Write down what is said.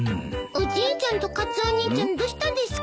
おじいちゃんとカツオ兄ちゃんどうしたですか？